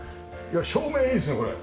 照明いいですねこれ。